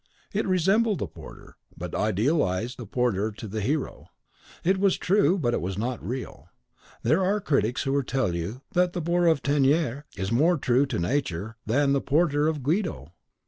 It resembled the porter, but idealised the porter to the hero. It was true, but it was not real. There are critics who will tell you that the Boor of Teniers is more true to Nature than the Porter of Guido!